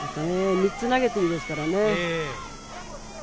３つ投げているんですからね。